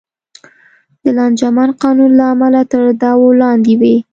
د لانجمن قانون له امله تر دعوو لاندې وې.